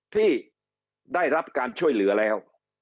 ที่ได้รับการช่วยเหลือแล้ว